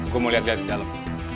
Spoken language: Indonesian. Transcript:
gue mau lihat lihat di dalam